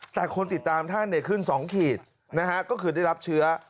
แต่คนติดตามท่านขึ้น๒ขีดนะฮะก็คือได้รับเชื้อ